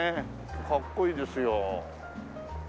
かっこいいですよ。